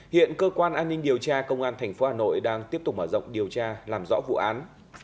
hiện cơ quan an ninh điều tra công an tp hà nội đang tiếp tục mở rộng điều tra làm rõ vụ án